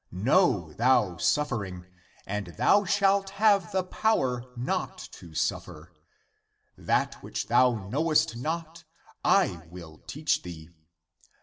Know thou suffer ing, and thou shalt have (the power) not to suffer. That which thou knowest not, I will teach thee.